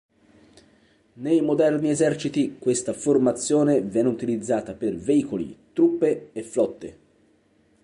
Nei moderni eserciti, questa formazione viene utilizzata per veicoli, truppe e flotte.